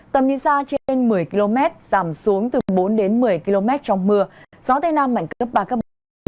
tầm nhìn xa trên một mươi km giảm xuống từ bốn đến một mươi km trong mưa gió tây nam mạnh cấp ba cấp bốn